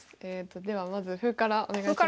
ではまず歩からお願いします。